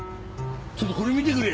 ちょっとこれ見てくれ。